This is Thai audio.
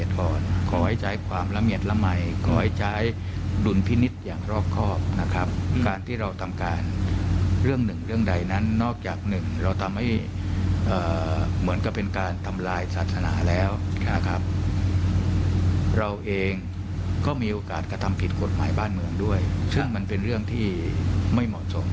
ก็เหมือนกับเป็นวิบากรรมหรือยังไง